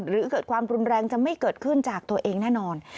หรือเกิดความรุนแรงจะไม่เกิดขึ้นจากตัวเองแน่นอน